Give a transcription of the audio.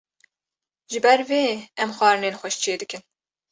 Ji ber vê em xwarinên xweş çê dikin